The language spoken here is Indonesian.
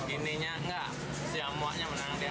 ininya enggak si amoknya menang dia